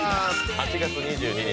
８月２２日